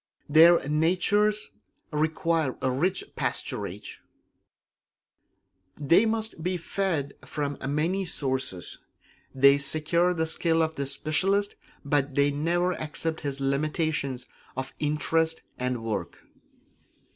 Their natures require rich pasturage; they must be fed from many sources. They secure the skill of the specialist, but they never accept his limitations of interest and work.